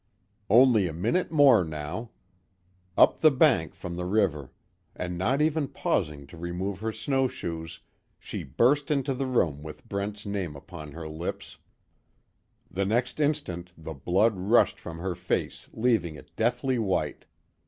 Only a minute more now! Up the bank from the river! And, not even pausing to remove her snowshoes, she burst into the room with Brent's name upon her lips. The next instant the blood rushed from her face leaving it deathly white.